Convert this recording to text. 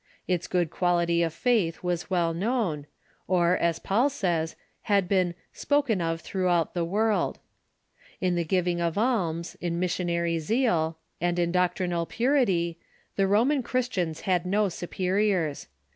Its good quality of faith was well known, or, as Paul says, had been "spoken of throughout the whole world." In the giving of alms, in missionary zeal, and in doctrinal purity, the Roman Christians had no superiors.